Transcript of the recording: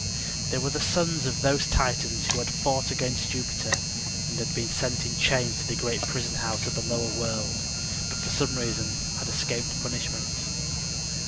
They were the sons of those Titans who had fought against Jupiter and been sent in chains to the great prison house of the lower world, but for some reason had escaped punishment.